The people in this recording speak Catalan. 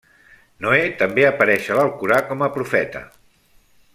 Noè també apareix a l'Alcorà com a profeta.